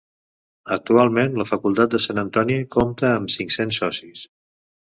Actualment la Facultat de Sant Antoni compta amb cinc-cents socis.